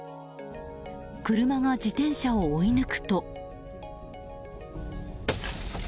車が自転車を追い抜くと。